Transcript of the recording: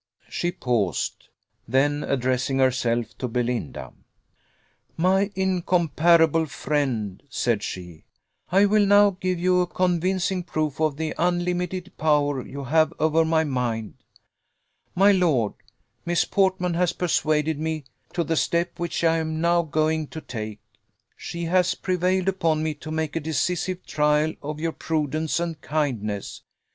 She paused then addressing herself to Belinda, "My incomparable friend," said she, "I will now give you a convincing proof of the unlimited power you have over my mind. My lord, Miss Portman has persuaded me to the step which I am now going to take. She has prevailed upon me to make a decisive trial of your prudence and kindness.